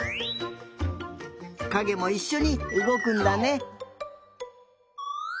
かげもいっしょにうごくんだね。